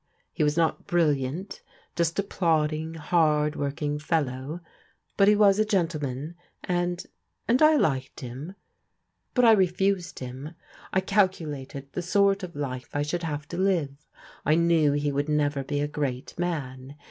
He was not brilliant — ^just a plod ding, hard working fellow ; but he was a gentleman, and — and I liked him. But I refused him. I calculated the sort of life I should have to live. I knew he would never be a great man.